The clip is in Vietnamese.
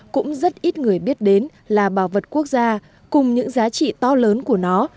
cũng rất ít người biết đến là bảo vật quốc gia cùng những giá trị to lớn của nó